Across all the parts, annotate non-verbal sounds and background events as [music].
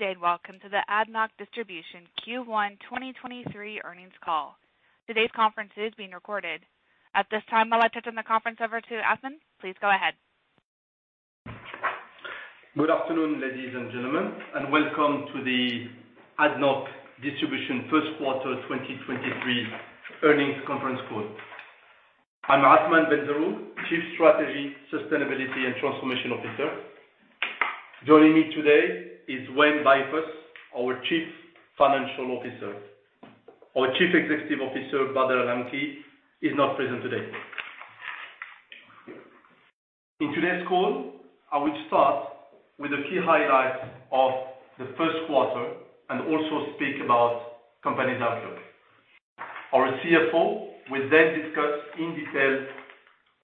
Good day, and welcome to The ADNOC Distribution Q1 2023 Earnings Call. Today's conference is being recorded. At this time, I'll hand the conference over to Hassan. Please go ahead. Good afternoon, ladies and gentlemen, and welcome to the ADNOC Distribution First Quarter 2023 Earnings Conference Call. I'm Athmane Benzerroug, Chief Strategy, Sustainability & Transformation Officer. Joining me today is Wayne Beifus, our Chief Financial Officer. Our Chief Executive Officer, Bader Al Lamki, is not present today. In today's call, I will start with the key highlights of the first quarter and also speak about company's outlook. Our CFO will then discuss in detail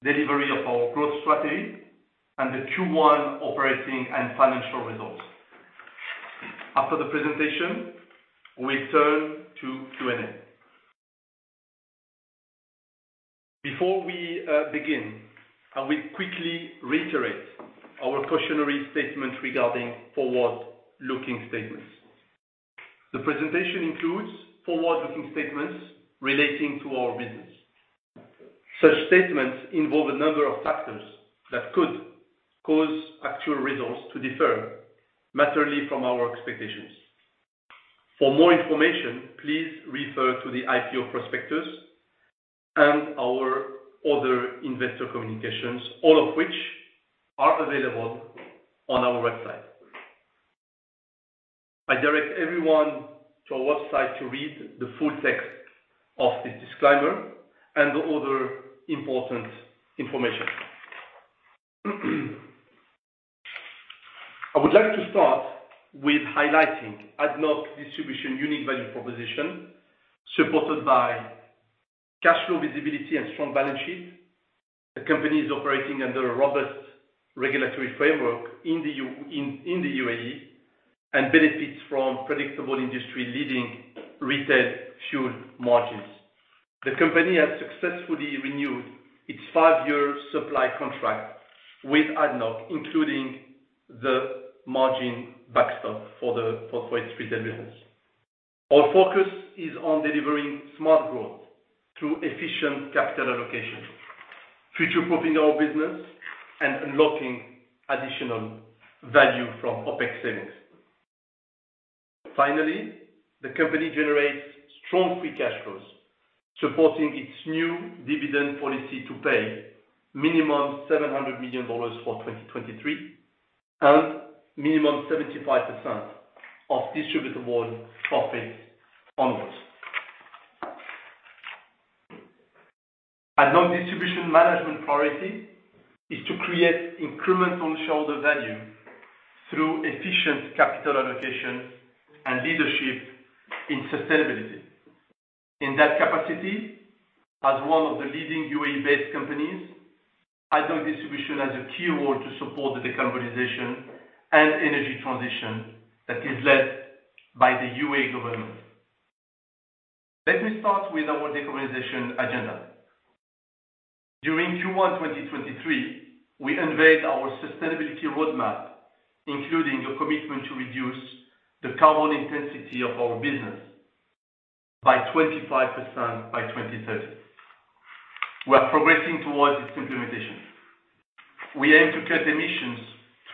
delivery of our growth strategy and the Q1 operating and financial results. After the presentation, we'll turn to Q&A. Before we begin, I will quickly reiterate our cautionary statement regarding forward-looking statements. The presentation includes forward-looking statements relating to our business. Such statements involve a number of factors that could cause actual results to differ materially from our expectations. For more information, please refer to the IPO prospectus and our other investor communications, all of which are available on our website. I direct everyone to our website to read the full text of this disclaimer and other important information. I would like to start with highlighting ADNOC Distribution unique value proposition supported by cash flow visibility and strong balance sheet. The company is operating under a robust regulatory framework in the UAE, and benefits from predictable industry-leading retail fuel margins. The company has successfully renewed its five-year supply contract with ADNOC, including the margin backstop for its retail business. Our focus is on delivering smart growth through efficient capital allocation, future-proofing our business, and unlocking additional value from OpEx savings. The company generates strong free cash flows, supporting its new dividend policy to pay minimum $700 million for 2023 and minimum 75% of distributable profits onwards. ADNOC Distribution management priority is to create incremental shareholder value through efficient capital allocation and leadership in sustainability. In that capacity, as one of the leading UAE-based companies, ADNOC Distribution has a key role to support the decarbonization and energy transition that is led by the UAE government. Let me start with our decarbonization agenda. During Q1 2023, we unveiled our sustainability roadmap, including a commitment to reduce the carbon intensity of our business by 25% by 2030. We are progressing towards its implementation. We aim to cut emissions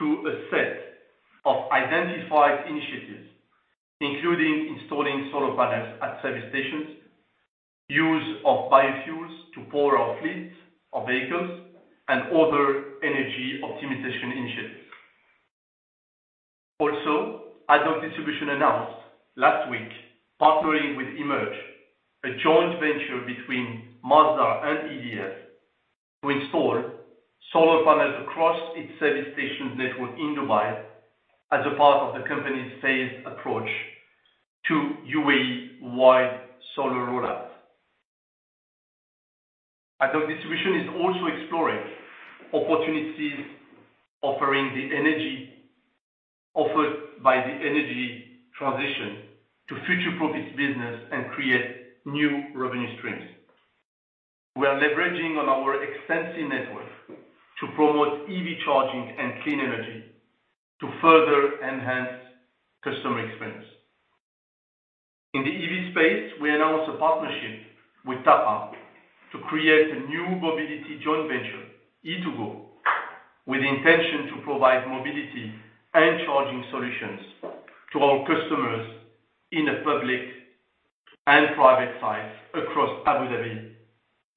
through a set of identified initiatives, including installing solar panels at service stations, use of biofuels to power our fleet of vehicles, and other energy optimization initiatives. ADNOC Distribution announced last week partnering with Emerge, a joint venture between Masdar and EDF, to install solar panels across its service station network in Dubai as a part of the company's phased approach to UAE-wide solar rollout. ADNOC Distribution is also exploring opportunities offering the energy offered by the energy transition to future-proof its business and create new revenue streams. We are leveraging on our extensive network to promote EV charging and clean energy to further enhance customer experience. In the EV space, we announced a partnership with TAQA to create a new mobility joint venture, E2GO, with the intention to provide mobility and charging solutions to our customers in a public and private sites across Abu Dhabi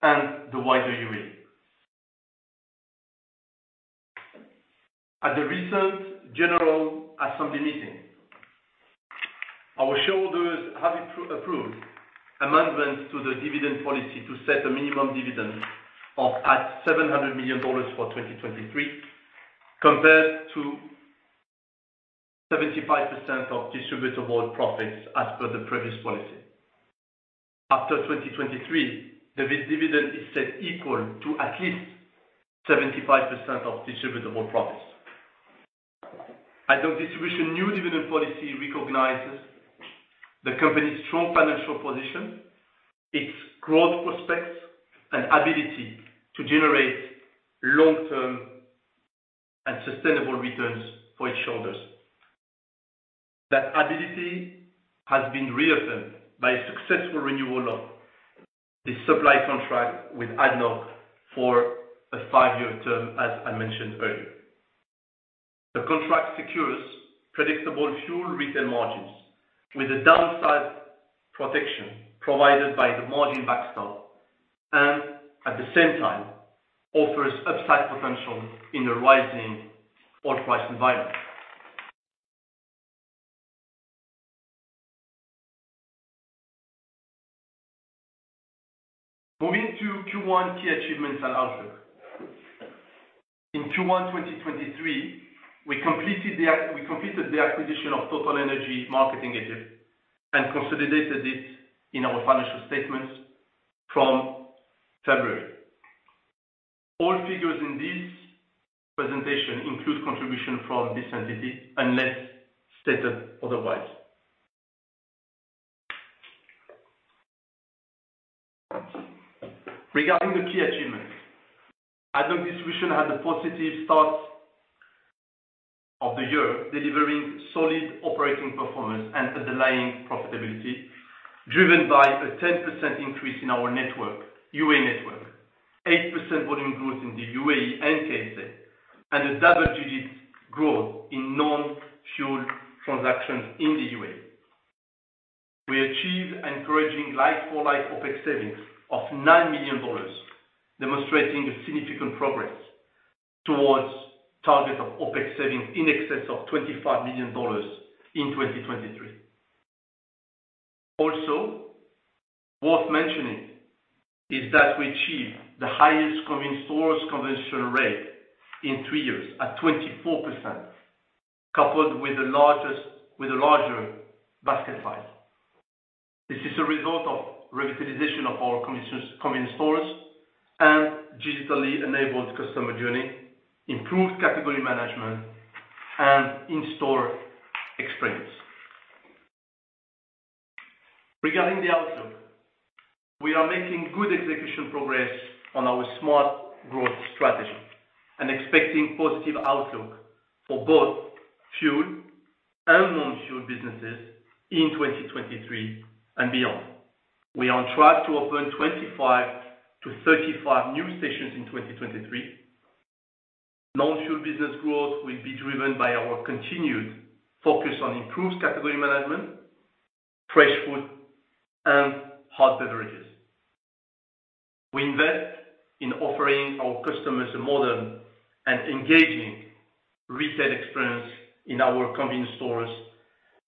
and the wider UAE. At the recent general assembly meeting, our shareholders have approved amendments to the dividend policy to set a minimum dividend of $700 million for 2023 compared to 75% of distributable profits as per the previous policy. After 2023, the dividend is set equal to at least 75% of distributable profits. ADNOC Distribution new dividend policy recognizes the company's strong financial position, its growth prospects, and ability to generate long-term and sustainable returns for its shareholders. That ability has been reaffirmed by a successful renewal of the supply contract with ADNOC for a five-year term, as I mentioned earlier. The contract secures predictable fuel retail margins with a downside protection provided by the margin backstop, at the same time offers upside potential in a rising oil price environment. Moving to Q1 key achievements and outlook. In Q1, 2023, we completed the acquisition of TotalEnergies Marketing Egypt LLC and consolidated it in our financial statements from February. All figures in this presentation include contribution from this entity, unless stated otherwise. Regarding the key achievements, ADNOC Distribution had a positive start of the year, delivering solid operating performance and underlying profitability, driven by a 10% increase in our network, UAE network, 8% volume growth in the UAE and KSA, and a double-digit growth in non-fuel transactions in the UAE. We achieved encouraging like-for-like OpEx savings of $9 million, demonstrating a significant progress towards target of OpEx savings in excess of $25 million in 2023. Worth mentioning is that we achieved the highest convenience stores conversion rate in three years at 24%, coupled with a larger basket size. This is a result of revitalization of our convenience stores and digitally enabled customer journey, improved category management, and in-store experience. Regarding the outlook, we are making good execution progress on our smart growth strategy and expecting positive outlook for both fuel and non-fuel businesses in 2023 and beyond. We are on track to open 25 to 35 new stations in 2023. Non-fuel business growth will be driven by our continued focus on improved category management, fresh food, and hot beverages. We invest in offering our customers a modern and engaging retail experience in our convenience stores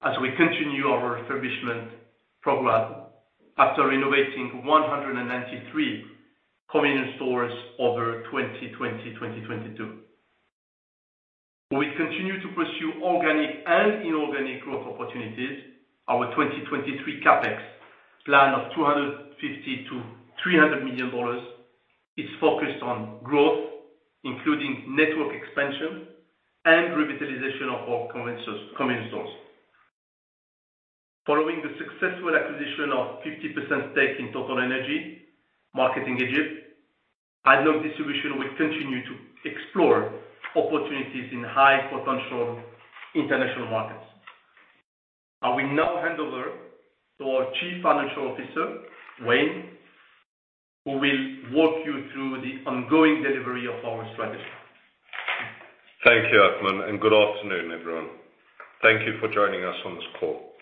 as we continue our refurbishment program after renovating 193 convenience stores over 2020, 2022. We continue to pursue organic and inorganic growth opportunities. Our 2023 CapEx plan of $250 million-$300 million is focused on growth, including network expansion and revitalization of our convenience stores. Following the successful acquisition of 50% stake in TotalEnergies Marketing Egypt, ADNOC Distribution will continue to explore opportunities in high-potential international markets. I will now hand over to our Chief Financial Officer, Wayne, who will walk you through the ongoing delivery of our strategy. Thank you, Athmane. Good afternoon, everyone. Thank you for joining us on this call.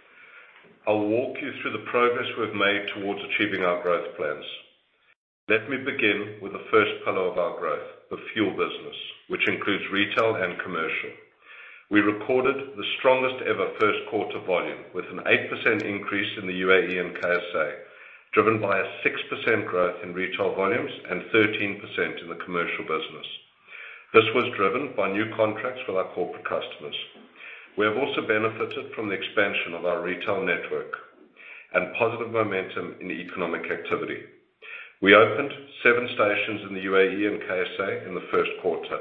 I'll walk you through the progress we've made towards achieving our growth plans. Let me begin with the first pillar of our growth, the fuel business, which includes retail and commercial. We recorded the strongest ever first quarter volume, with an 8% increase in the UAE and KSA, driven by a 6% growth in retail volumes and 13% in the commercial business. This was driven by new contracts with our corporate customers. We have also benefited from the expansion of our retail network and positive momentum in economic activity. We opened seven stations in the UAE and KSA in the first quarter.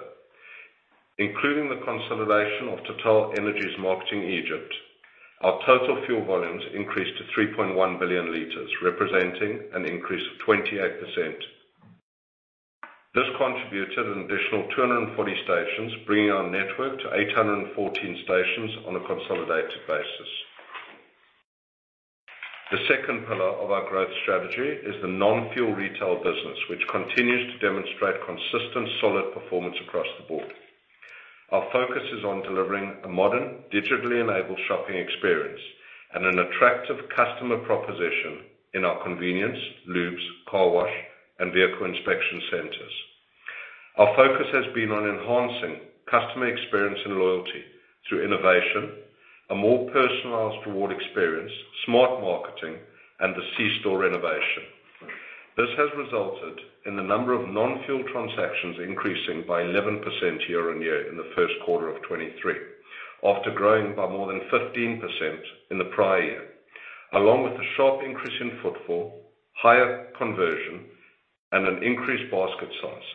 Including the consolidation of TotalEnergies Marketing Egypt, our total fuel volumes increased to L3.1 billion, representing an increase of 28%. This contributed an additional 240 stations, bringing our network to 814 stations on a consolidated basis. The second pillar of our growth strategy is the non-fuel retail business, which continues to demonstrate consistent solid performance across the board. Our focus is on delivering a modern, digitally enabled shopping experience and an attractive customer proposition in our convenience, lubes, car wash, and vehicle inspection centers. Our focus has been on enhancing customer experience and loyalty through innovation, a more personalized reward experience, smart marketing, and the C-store renovation. This has resulted in the number of non-fuel transactions increasing by 11% year-on-year in the first quarter of 2023, after growing by more than 15% in the prior year. Along with the sharp increase in footfall, higher conversion-And an increased basket size.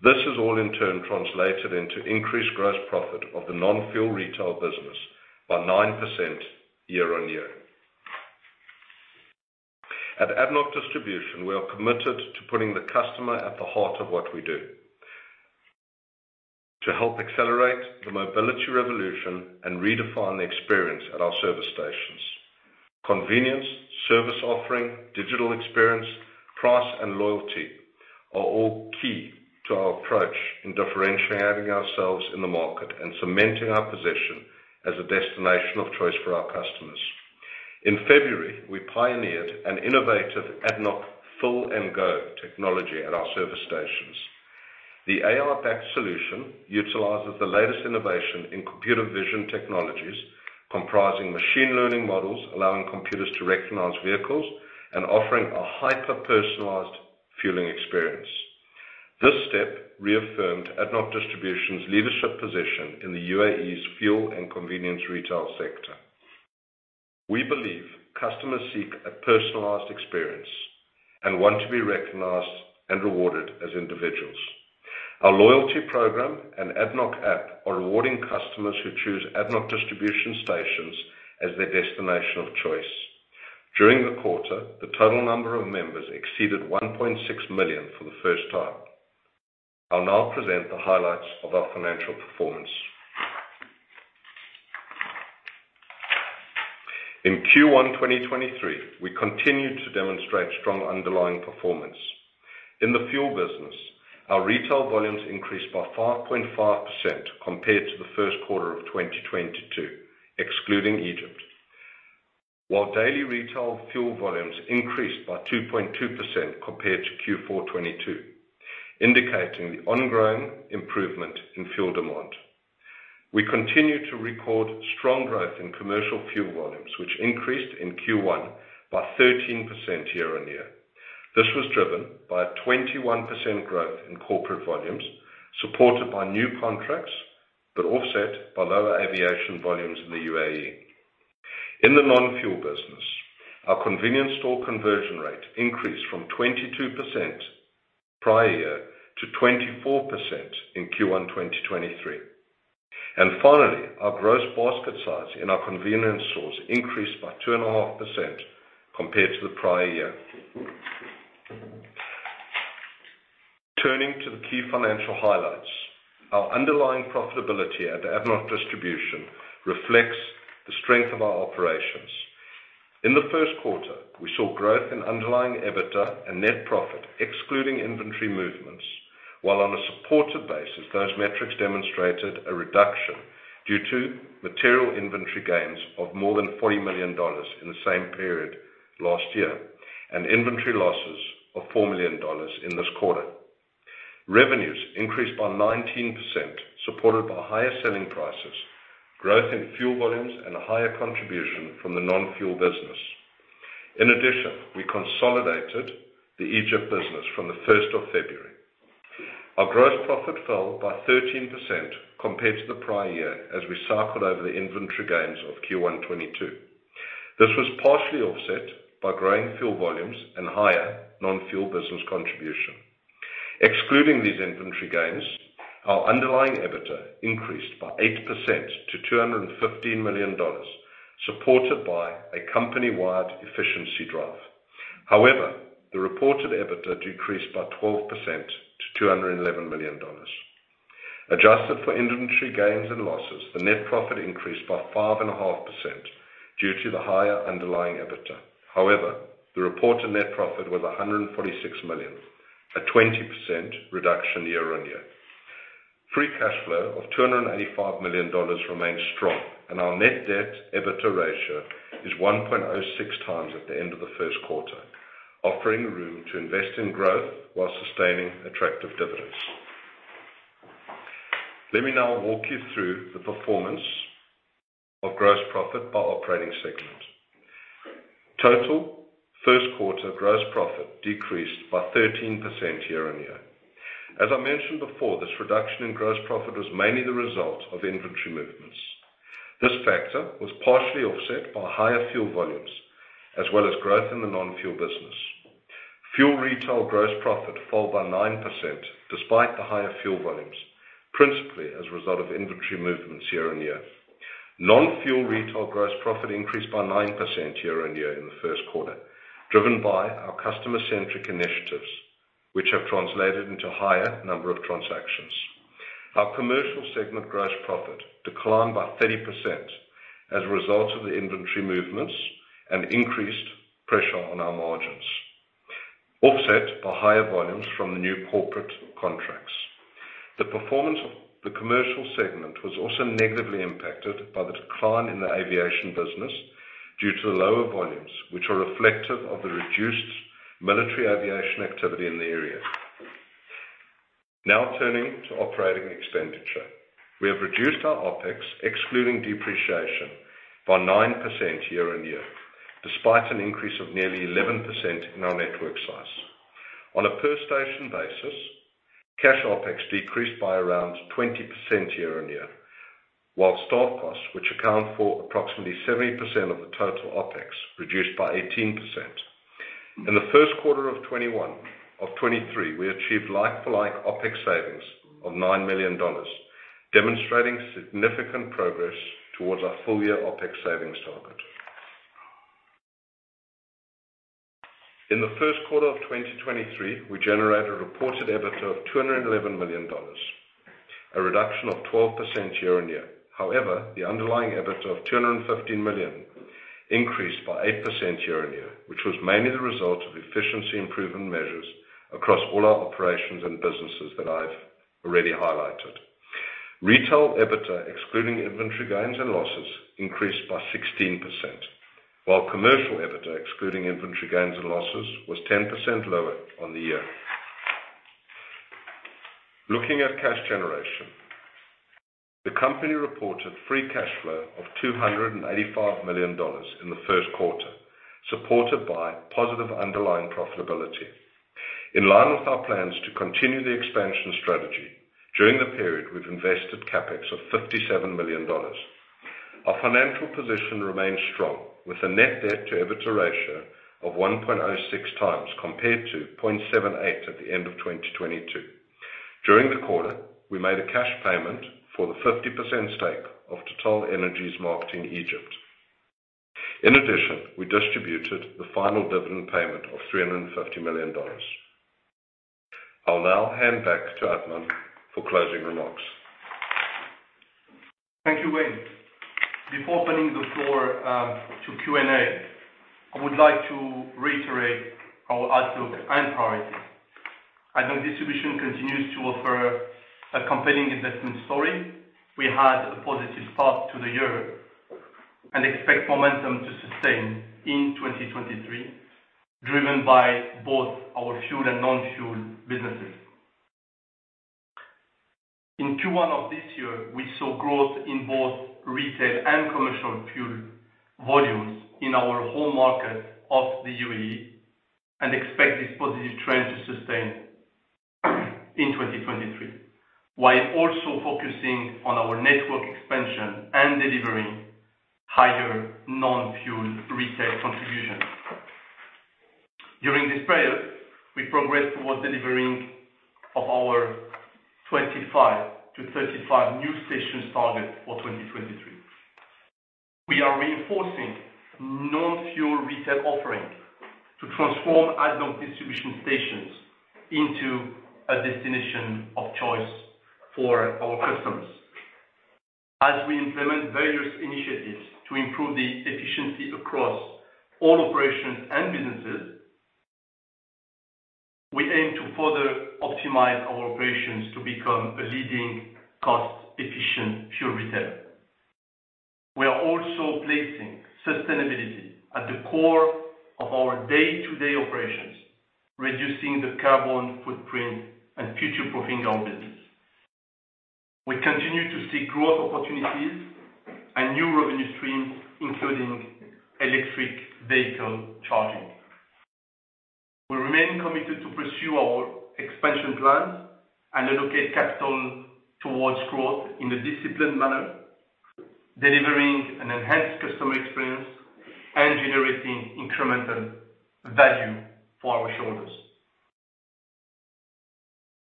This has all in turn translated into increased gross profit of the non-fuel retail business by 9% year-on-year. At ADNOC Distribution, we are committed to putting the customer at the heart of what we do to help accelerate the mobility revolution and redefine the experience at our service stations. Convenience, service offering, digital experience, price, and loyalty are all key to our approach in differentiating ourselves in the market and cementing our position as a destination of choice for our customers. In February, we pioneered an innovative ADNOC Fill & Go technology at our service stations. The AI-backed solution utilizes the latest innovation in computer vision technologies, comprising machine learning models, allowing computers to recognize vehicles and offering a hyper-personalized fueling experience. This step reaffirmed ADNOC Distribution's leadership position in the UAE's fuel and convenience retail sector. We believe customers seek a personalized experience and want to be recognized and rewarded as individuals. Our loyalty program and ADNOC app are rewarding customers who choose ADNOC Distribution stations as their destination of choice. During the quarter, the total number of members exceeded 1.6 million for the first time. I'll now present the highlights of our financial performance. In Q1 2023, we continued to demonstrate strong underlying performance. In the fuel business, our retail volumes increased by 5.5% compared to the first quarter of 2022, excluding Egypt. Daily retail fuel volumes increased by 2.2% compared to Q4 2022, indicating the ongoing improvement in fuel demand. We continued to record strong growth in commercial fuel volumes, which increased in Q1 by 13% year-on-year. This was driven by a 21% growth in corporate volumes, supported by new contracts, but offset by lower aviation volumes in the UAE. In the non-fuel business, our convenience store conversion rate increased from 22% prior year to 24% in Q1, 2023. Finally, our gross basket size in our convenience stores increased by 2.5% compared to the prior year. Turning to the key financial highlights, our underlying profitability at ADNOC Distribution reflects the strength of our operations. In the first quarter, we saw growth in underlying EBITDA and net profit, excluding inventory movements, while on a supported basis, those metrics demonstrated a reduction due to material inventory gains of more than $40 million in the same period last year, and inventory losses of $4 million in this quarter. Revenues increased by 19%, supported by higher selling prices, growth in fuel volumes, and a higher contribution from the non-fuel business. In addition, we consolidated the Egypt business from the first of February. Our gross profit fell by 13% compared to the prior year as we cycled over the inventory gains of Q1 2022. This was partially offset by growing fuel volumes and higher non-fuel business contribution. Excluding these inventory gains, our underlying EBITDA increased by 8% to $215 million, supported by a company-wide efficiency drive. The reported EBITDA decreased by 12% to $211 million. Adjusted for inventory gains and losses, the net profit increased by 5.5% due to the higher underlying EBITDA. The reported net profit was $146 million, a 20% reduction year-on-year. Free cash flow of $285 million remains strong, and our net debt EBITDA ratio is 1.06x at the end of the first quarter, offering room to invest in growth while sustaining attractive dividends. Let me now walk you through the performance of gross profit by operating segment. Total first quarter gross profit decreased by 13% year-on-year. As I mentioned before, this reduction in gross profit was mainly the result of inventory movements. This factor was partially offset by higher fuel volumes as well as growth in the non-fuel business. Fuel retail gross profit fell by 9% despite the higher fuel volumes, principally as a result of inventory movements year-on-year. Non-fuel retail gross profit increased by 9% year-on-year in the first quarter, driven by our customer-centric initiatives, which have translated into higher number of transactions. Our commercial segment gross profit declined by 30% as a result of the inventory movements and increased pressure on our margins, offset by higher volumes from the new corporate contracts. The performance of the commercial segment was also negatively impacted by the decline in the aviation business due to the lower volumes, which are reflective of the reduced military aviation activity in the area. Turning to operating expenditure. We have reduced our OpEx, excluding depreciation, by 9% year-on-year, despite an increase of nearly 11% in our network size. On a per-station basis, cash OpEx decreased by around 20% year-on-year. Staff costs, which account for approximately 70% of the total OpEx, reduced by 18%. In the first quarter of 2023, we achieved like-for-like OpEx savings of $9 million, demonstrating significant progress towards our full-year OpEx savings target. In the first quarter of 2023, we generated a reported EBITDA of $211 million, a reduction of 12% year-on-year. The underlying EBITDA of $215 million increased by 8% year-on-year, which was mainly the result of efficiency improvement measures across all our operations and businesses that I've already highlighted. Retail EBITDA, excluding inventory gains and losses, increased by 16%, while commercial EBITDA, excluding inventory gains and losses, was 10% lower on the year. Looking at cash generation. The company reported free cash flow of $285 million in the first quarter, supported by positive underlying profitability. In line with our plans to continue the expansion strategy, during the period, we've invested CapEx of $57 million. Our financial position remains strong, with a net debt to EBITDA ratio of 1.06 times, compared to 0.78 at the end of 2022. During the quarter, we made a cash payment for the 50% stake of TotalEnergies Market in Egypt. In addition, we distributed the final dividend payment of $350 million. I'll now hand back to Athmane for closing remarks. Thank you, Wayne. Before opening the floor, to Q&A, I would like to reiterate our outlook and priority. ADNOC Distribution continues to offer a compelling investment story. We had a positive start to the year and expect momentum to sustain in 2023, driven by both our fuel and non-fuel businesses. In Q1 of this year, we saw growth in both retail and commercial fuel volumes in our home market of the UAE and expect this positive trend to sustain in 2023, while also focusing on our network expansion and delivering higher non-fuel retail contributions. During this period, we progressed towards delivering of our 25 to 35 new stations target for 2023. We are reinforcing non-fuel retail offering to transform ADNOC Distribution stations into a destination of choice for our customers. As we implement various initiatives to improve the efficiency across all operations and businesses, we aim to further optimize our operations to become a leading cost-efficient fuel retailer. We are also placing sustainability at the core of our day-to-day operations, reducing the carbon footprint and future-proofing our business. We continue to seek growth opportunities and new revenue streams, including electric vehicle charging. We remain committed to pursue our expansion plans and allocate capital towards growth in a disciplined manner, delivering an enhanced customer experience and generating incremental value for our shareholders.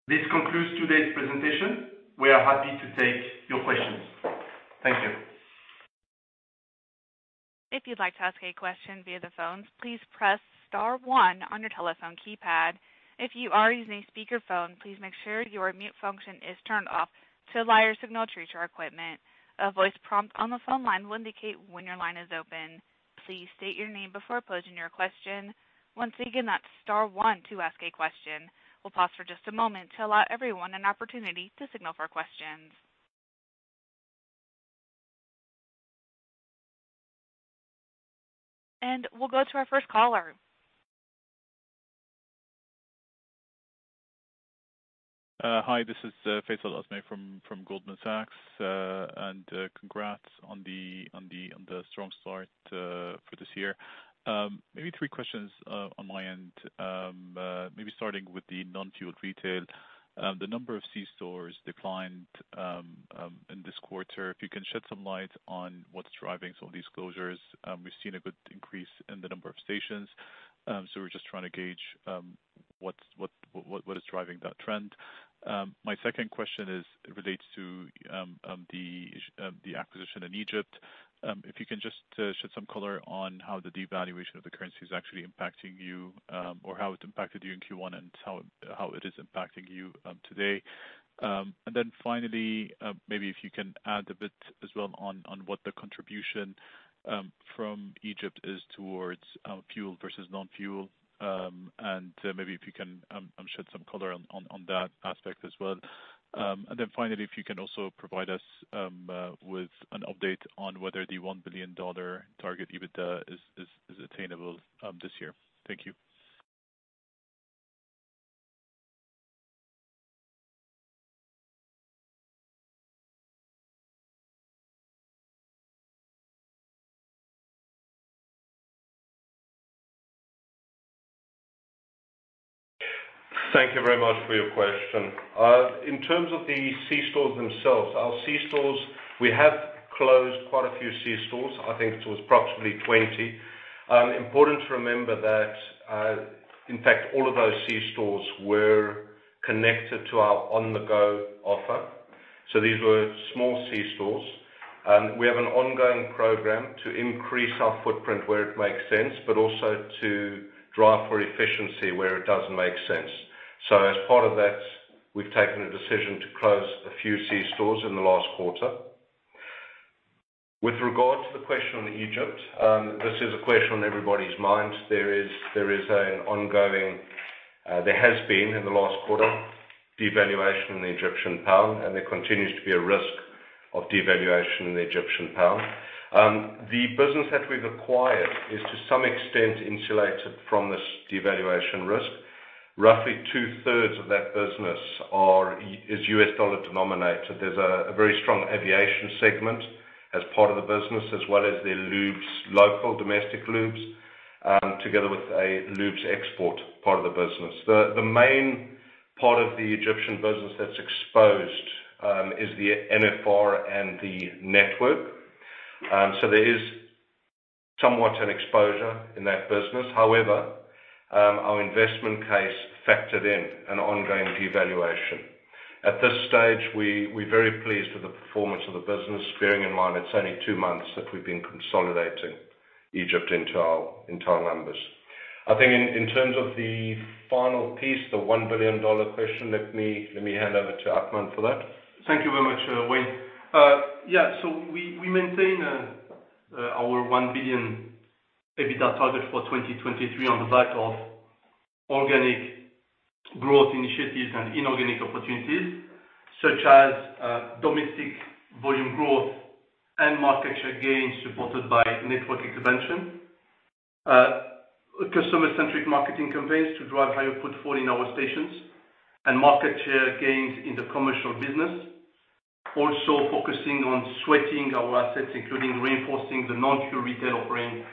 This concludes today's presentation. We are happy to take your questions. Thank you. If you'd like to ask a question via the phone, please press star one on your telephone keypad. If you are using a speakerphone, please make sure your mute function is turned off to allow your signal to reach our equipment. A voice prompt on the phone line will indicate when your line is open. Please state your name before posing your question. Once again, that's star one to ask a question. We'll pause for just a moment to allow everyone an opportunity to signal for questions. We'll go to our first caller. Hi, this is Faisal Azmeh from Goldman Sachs. Congrats on the strong start for this year. Maybe three questions on my end. Maybe starting with the non-fuel retail. The number of C-stores declined in this quarter. If you can shed some light on what's driving some of these closures. We've seen a good increase in the number of stations. We're just trying to gauge what's driving that trend. My second question is relates to the acquisition in Egypt. If you can just shed some color on how the devaluation of the currency is actually impacting you, or how it impacted you in Q1 and how it is impacting you today. Then finally, maybe if you can add a bit as well on what the contribution from Egypt is towards fuel versus non-fuel. Maybe if you can shed some color on, on that aspect as well. Then finally, if you can also provide us with an update on whether the $1 billion target EBITDA is attainable this year. Thank you. Thank you very much for your question. In terms of the C-stores themselves, our C-stores, we have closed quite a few C-stores, I think it was approximately 20. Important to remember that, in fact, all of those C-stores were connected to our On the go offer. These were small C-stores, and we have an ongoing program to increase our footprint where it makes sense, but also to drive for efficiency where it doesn't make sense. As part of that, we've taken a decision to close a few C-stores in the last quarter. With regard to the question on Egypt, this is a question on everybody's mind. There is an ongoing, there has been in the last quarter, devaluation in the Egyptian pound, and there continues to be a risk of devaluation in the Egyptian pound. The business that we've acquired is to some extent insulated from this devaluation risk. Roughly two-thirds of that business is U.S. dollar denominated. There's a very strong aviation segment as part of the business, as well as the lubes, local domestic lubes, together with a lubes export part of the business. The main part of the Egyptian business that's exposed is the NFR and the network. There is somewhat an exposure in that business. However, our investment case factored in an ongoing devaluation. At this stage, we're very pleased with the performance of the business, bearing in mind it's only two months that we've been consolidating Egypt into our numbers. I think in terms of the final piece, the $1 billion question, let me hand over to Athmane for that. Thank you very much, Wayne. Yeah. We, we maintain our 1 billion EBITDA target for 2023 on the back of organic growth initiatives and inorganic opportunities, such as domestic volume growth and market share gains supported by network expansion. Customer-centric marketing campaigns to drive higher footfall in our stations and market share gains in the commercial business. Also focusing on sweating our assets, including reinforcing the non-fuel retail offering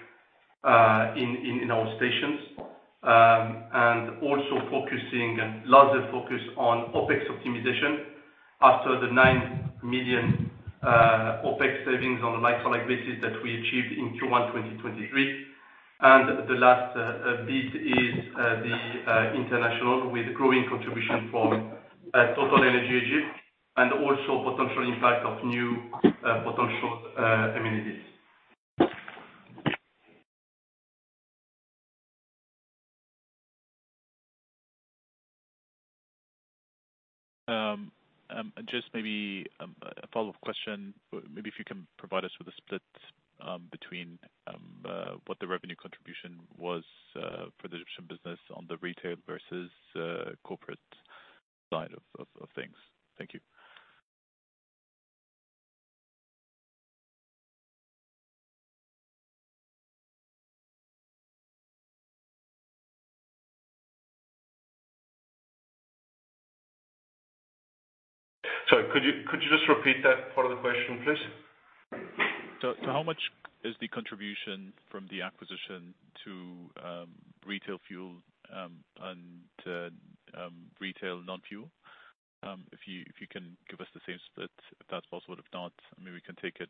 in our stations. Also focusing and laser focus on OpEx optimization after the 9 million OpEx savings on a like-for-like basis that we achieved in Q1 2023. The last bit is the international with growing contribution from TotalEnergies Egypt and also potential impact of new potential amenities. Just maybe a follow-up question, maybe if you can provide us with a split between what the revenue contribution was for the Egyptian business on the retail versus corporate side of things. Thank you. Sorry. Could you just repeat that part of the question, please? How much is the contribution from the acquisition to retail fuel and retail non-fuel? If you can give us the same split, if that's possible. If not, maybe we can take it,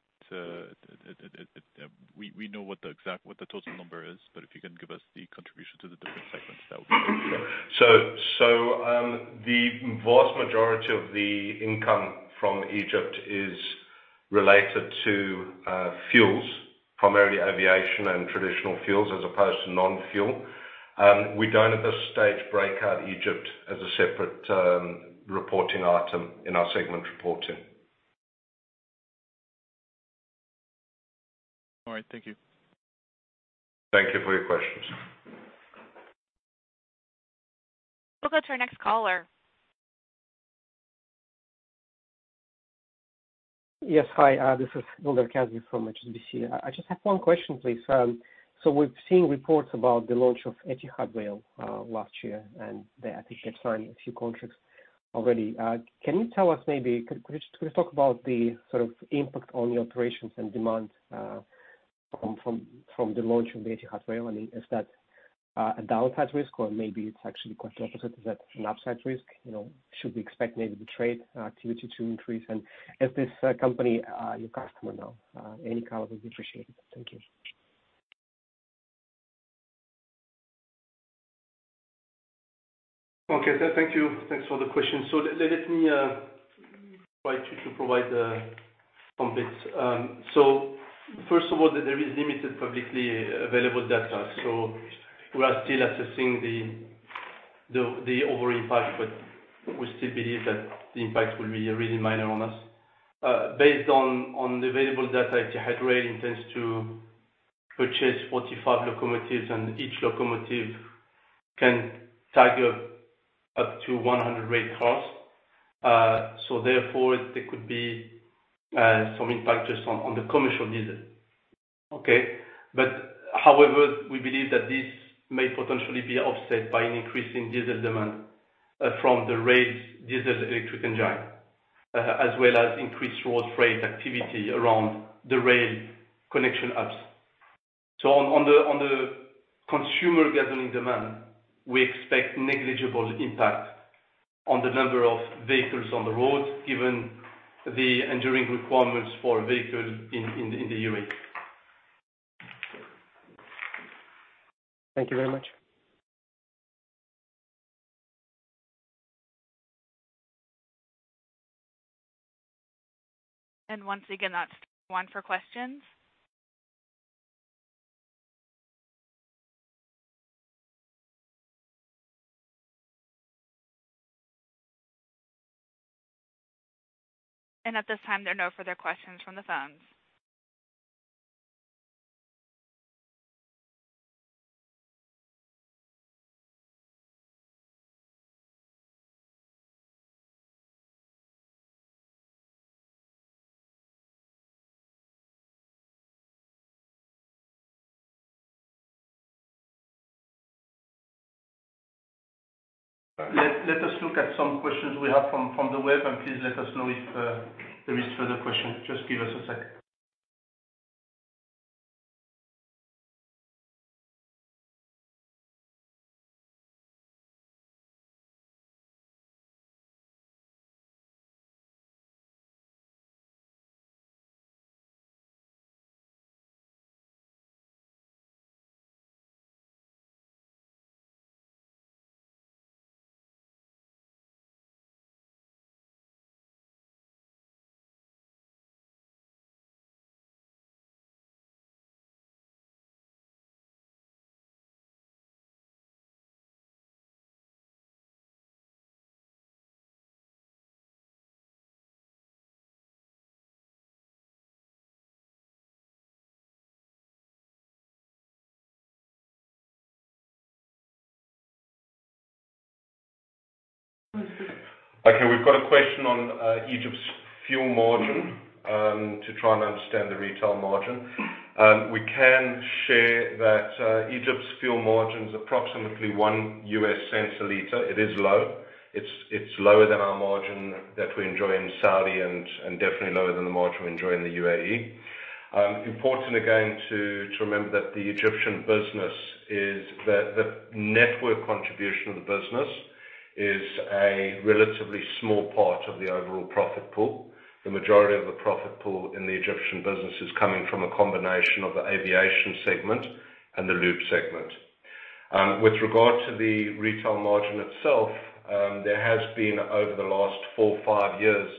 we know what the exact, what the total number is, but if you can give us the contribution to the different segments, that would be great. The vast majority of the income from Egypt is related to fuels, primarily aviation and traditional fuels as opposed to non-fuel. We don't at this stage break out Egypt as a separate reporting item in our segment reporting. All right. Thank you. Thank you for your questions. We'll go to our next caller. Yes. Hi, this is [audio distortion] from HSBC. I just have one question, please. We've seen reports about the launch of Etihad Rail last year, and I think they've signed a few contracts already. Can you tell us maybe, could you talk about the sort of impact on the operations and demand from the launch of the Etihad Rail? I mean, is that a downside risk or maybe it's actually quite the opposite? Is that an upside risk? You know, should we expect maybe the trade activity to increase? Is this company your customer now? Any color would be appreciated. Thank you. Okay. Thank you. Thanks for the question. Let me try to provide some bits. First of all, there is limited publicly available data. We are still assessing the overall impact, but we still believe that the impact will be really minor on us. Based on the available data, Etihad Rail intends to purchase 45 locomotives, and each locomotive can target up to 100 rail cars. Therefore, there could be some impact just on the commercial diesel. Okay. However, we believe that this may potentially be offset by an increase in diesel demand from the rail's diesel electric engine as well as increased road freight activity around the rail connection hubs. On the consumer gasoline demand, we expect negligible impact on the number of vehicles on the road, given the enduring requirements for a vehicle in the UAE. Thank you very much. Once again, that's star one for questions. At this time, there are no further questions from the phones. Let us look at some questions we have from the web, and please let us know if there is further questions. Just give us a second. Okay. We've got a question on Egypt's fuel margin to try and understand the retail margin. We can share that Egypt's fuel margin is approximately $0.01 a liter. It is low. It's lower than our margin that we enjoy in Saudi and definitely lower than the margin we enjoy in the UAE. Important again to remember that the Egyptian business is that the network contribution of the business is a relatively small part of the overall profit pool. The majority of the profit pool in the Egyptian business is coming from a combination of the aviation segment and the lube segment. With regard to the retail margin itself, there has been over the last four or five years,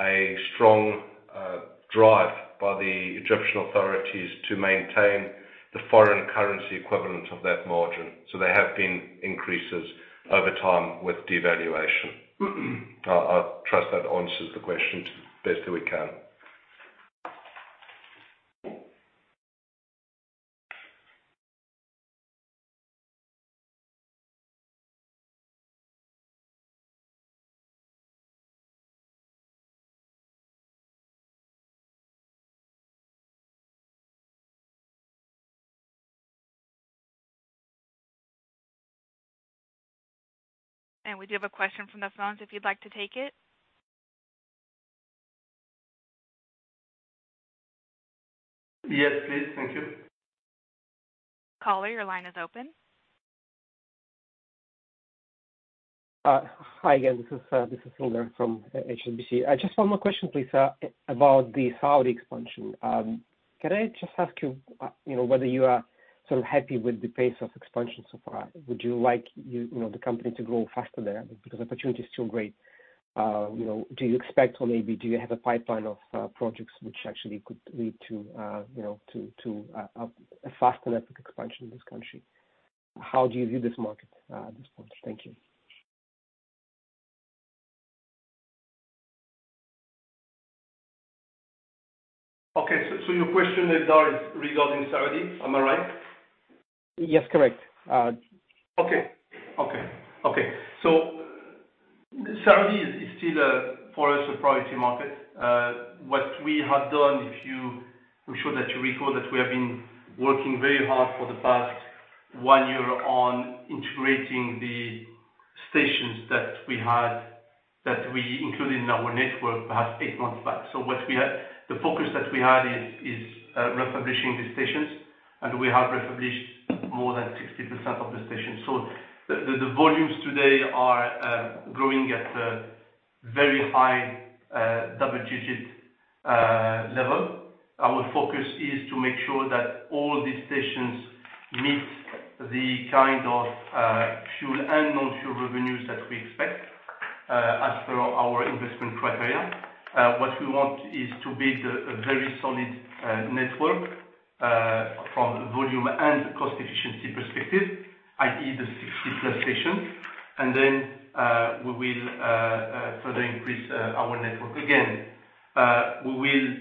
a strong drive by the Egyptian authorities to maintain the foreign currency equivalent of that margin. There have been increases over time with devaluation. I trust that answers the question best that we can. We do have a question from the phones if you'd like to take it. Yes, please. Thank you. Caller, your line is open. Hi again. This is, this is Hilda from HSBC. Just one more question, please, about the Saudi expansion. Can I just ask you know, whether you are sort of happy with the pace of expansion so far? Would you like you know, the company to grow faster there? Opportunity is still great. You know, do you expect or maybe do you have a pipeline of projects which actually could lead to, you know, to, a faster network expansion in this country? How do you view this market, at this point? Thank you. Okay. Your question, [audio distortion] is regarding Saudi. Am I right? Yes, correct. Okay. Okay. Okay. Saudi is still for us, a priority market. I'm sure that you recall that we have been working very hard for the past one year on integrating the stations that we had, that we included in our network perhaps eight months back. The focus that we had is refurbishing the stations, and we have refurbished more than 60% of the stations. The volumes today are growing at a very high double-digit level. Our focus is to make sure that all these stations meet the kind of fuel and non-fuel revenues that we expect as per our investment criteria. What we want is to build a very solid network from volume and cost efficiency perspective, i.e., the 60+ station. We will further increase our network. Again, we will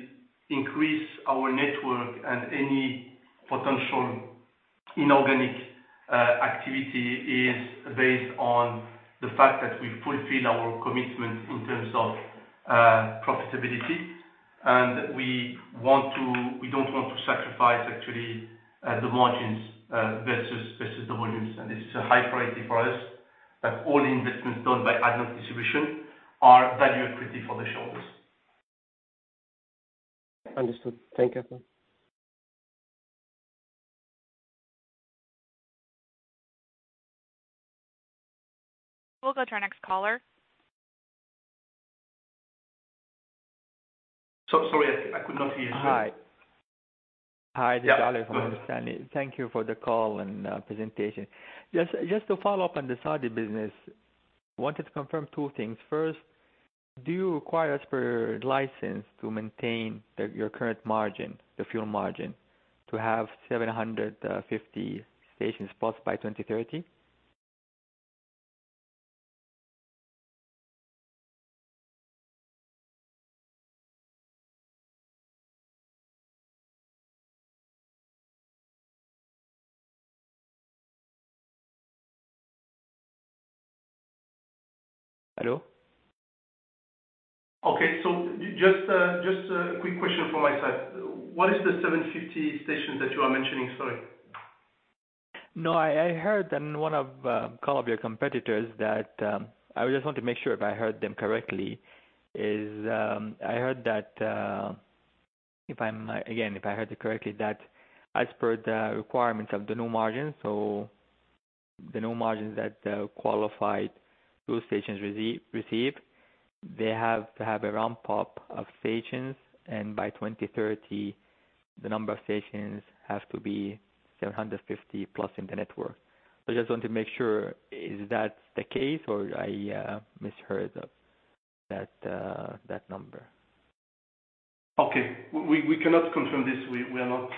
increase our network and any potential inorganic activity is based on the fact that we fulfill our commitment in terms of profitability. We don't want to sacrifice actually the margins versus the volumes. This is a high priority for us, that all investments done by ADNOC Distribution are value accretive for the shareholders. Understood. Thank you. We'll go to our next caller. Sorry, I could not hear you. Hi. Hi, this is. [audio distortion] Yeah, go ahead. Thank you for the call and presentation. Just to follow up on the Saudi business, wanted to confirm two things. First, do you require as per license to maintain your current margin, the fuel margin to have 750+ stations by 2030? Hello? Okay. Just a quick question from my side. What is the 750 stations that you are mentioning? Sorry. I heard that in one of call of your competitors that, I just want to make sure if I heard them correctly, is, I heard that, Again, if I heard it correctly, that as per the requirements of the new margin, so the new margins that qualified fuel stations receive, they have to have a ramp up of stations, and by 2030 the number of stations have to be 750+ in the network. I just want to make sure, is that the case or I misheard that number? Okay. We cannot confirm this. We are not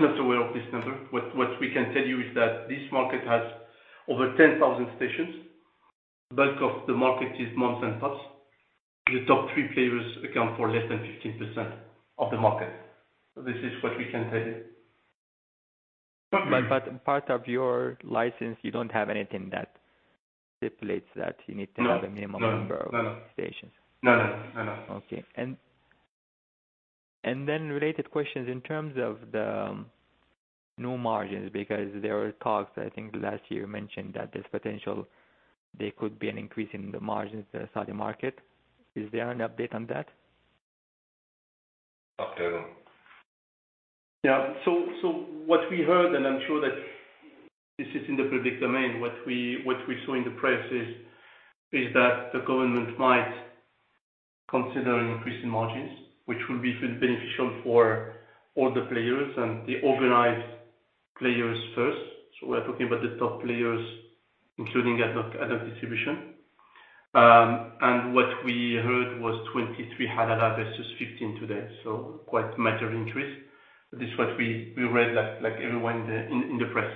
not aware of this number. What we can tell you is that this market has over 10,000 stations. Bulk of the market is months and plus. The top three players account for less than 15% of the market. This is what we can tell you. But part of your license, you don't have anything that stipulates that you need to. No. A minimum number of stations. No, no. No, no. Okay. Then related questions in terms of the new margins, because there were talks, I think last year you mentioned that there's potential there could be an increase in the margins, the Saudi market. Is there an update on that? What we heard, and I'm sure that this is in the public domain, what we saw in the press is that the government might consider increasing margins, which will be beneficial for all the players and the organized players first. We're talking about the top players, including ADNOC Distribution. What we heard was 23 Halala versus 15 today, so quite major increase. This is what we read like everyone in the press.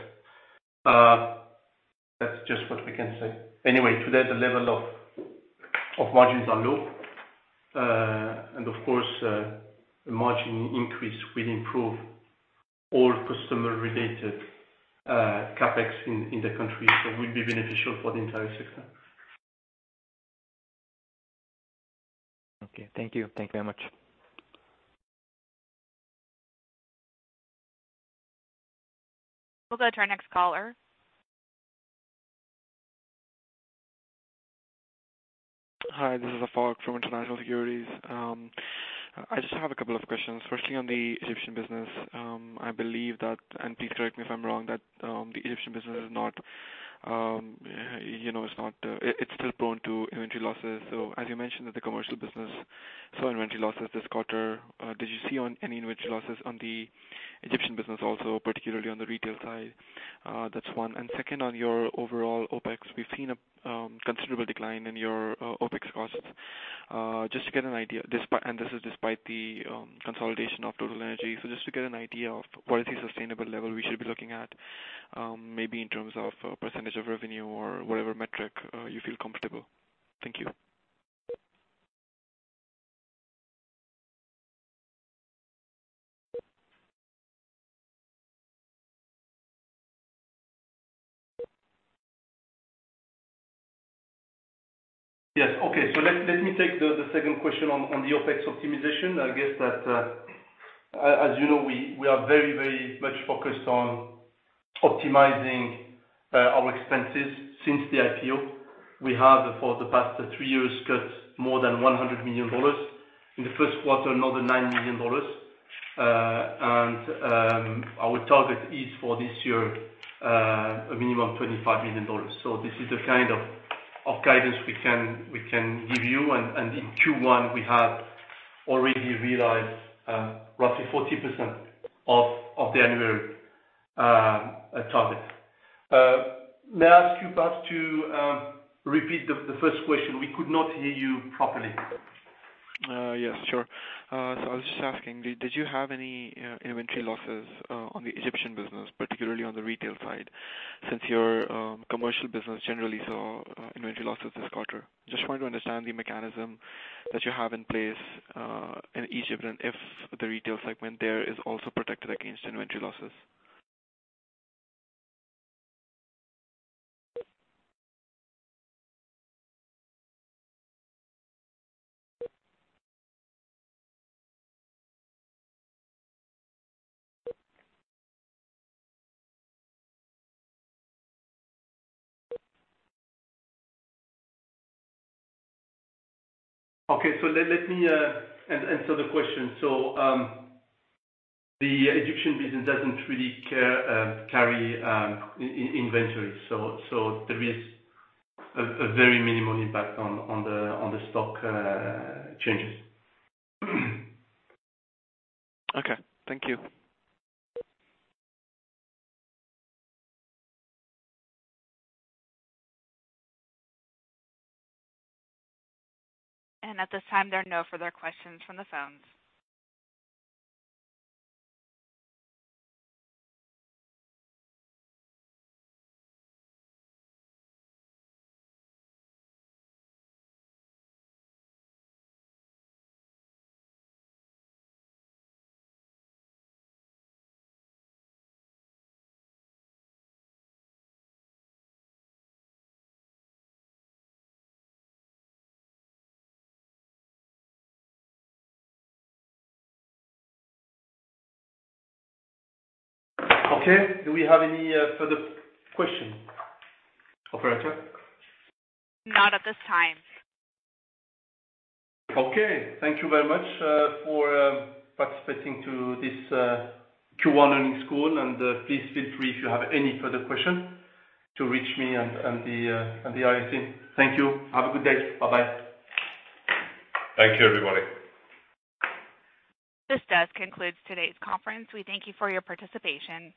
That's just what we can say. Anyway, today, the level of margins are low. Of course, the margin increase will improve all customer related CapEx in the country. Will be beneficial for the entire sector. Okay. Thank you. Thank you very much. We'll go to our next caller. Hi, this is Afaq from International Securities. I just have a couple of questions. Firstly, on the Egyptian business, I believe that, and please correct me if I'm wrong, that the Egyptian business is not, you know, it's not, it's still prone to inventory losses. As you mentioned that the commercial business saw inventory losses this quarter, did you see on any inventory losses on the Egyptian business also, particularly on the retail side? That's one. Second, on your overall OpEx, we've seen a considerable decline in your OpEx costs. Just to get an idea, and this is despite the consolidation of Total Energy. Just to get an idea of what is the sustainable level we should be looking at, maybe in terms of percentage of revenue or whatever metric, you feel comfortable. Thank you. Yes. Okay. Let me take the second question on the OpEx optimization. I guess that as you know, we are very much focused on optimizing our expenses since the IPO. We have for the past three years cut more than $100 million. In the first quarter, another $9 million. Our target is for this year a minimum $25 million. This is the kind of guidance we can give you. In Q1, we have already realized roughly 40% of the annual target. May I ask you perhaps to repeat the first question. We could not hear you properly. Yes, sure. I was just asking, did you have any inventory losses on the Egyptian business, particularly on the retail side? Since your commercial business generally saw inventory losses this quarter. Just wanting to understand the mechanism that you have in place in Egypt, and if the retail segment there is also protected against inventory losses. Okay. Let me answer the question. The Egyptian business doesn't really care, carry inventory. There is a very minimal impact on the stock changes. Okay. Thank you. At this time, there are no further questions from the phones. Okay. Do we have any further question, operator? Not at this time. Okay. Thank you very much for participating to this Q1 earnings call. Please feel free if you have any further question to reach me and the IR team. Thank you. Have a good day. Bye-bye. Thank you, everybody. This does conclude today's conference. We thank you for your participation.